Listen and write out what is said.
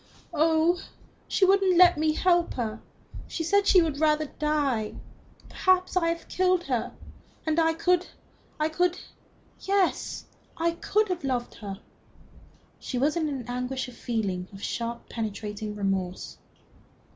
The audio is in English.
"Oh, she wouldn't let me help her. She said she would rather die. Perhaps I have killed her. And I could I could yes, I could have loved her." She was in an anguish of feeling of sharp and penetrating remorse.